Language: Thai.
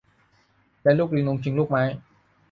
แลลูกลิงลงชิง ลูกไม้